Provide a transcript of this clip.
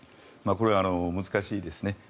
これは難しいですね。